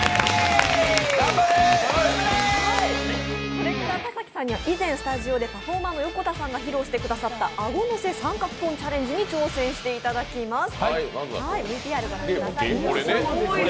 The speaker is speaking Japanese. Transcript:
これから田崎さんでは以前、スタジオでパフォーマーのＹＯＫＯＴＡさんが披露してくださったアゴのせ三角コーンチャレンジに挑戦していただきます。